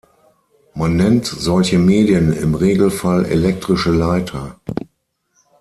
Man nennt solche Medien im Regelfall elektrische Leiter.